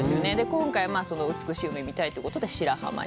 今回、美しい海を見たいということで、白浜に。